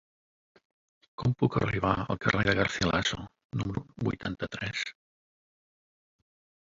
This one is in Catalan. Com puc arribar al carrer de Garcilaso número vuitanta-tres?